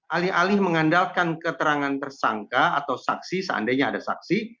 alih alih mengandalkan keterangan tersangka atau saksi seandainya ada saksi